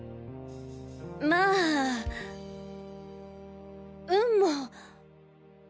まあ運も。